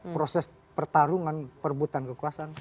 proses pertarungan perbutan kekuasaan